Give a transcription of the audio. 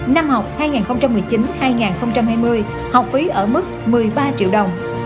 năm học hai nghìn một mươi chín hai nghìn hai mươi học phí ở mức một mươi ba triệu đồng